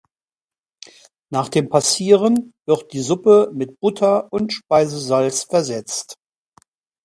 Nach dem Passieren wird die Suppe mit Butter und Speisesalz versetzt.